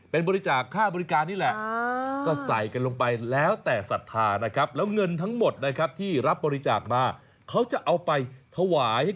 เป็นบริจาคค่าบริการนี่แหละ